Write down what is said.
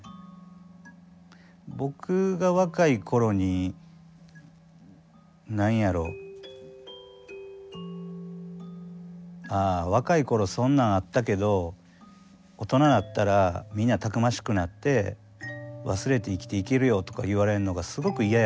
僕が若い頃に何やろ「ああ若い頃そんなんあったけど大人なったらみんなたくましくなって忘れて生きていけるよ」とか言われるのがすごく嫌やったんですよね。